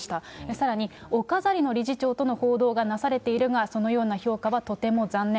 さらに、お飾りの理事長の報道がなされているが、そのような評価はとても残念。